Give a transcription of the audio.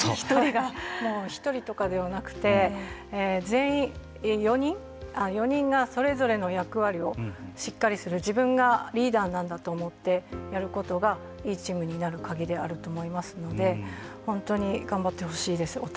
もう、１人とかではなくて４人が、それぞれの役割をしっかりするリーダーなんだと思ってやることがいいチームになる鍵であると思いますので本当に頑張ってほしいです。